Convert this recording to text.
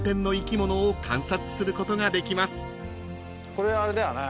これあれだよね